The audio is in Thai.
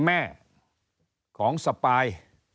แม่ของสปาย